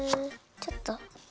ちょっと。